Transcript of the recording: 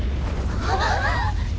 あっ！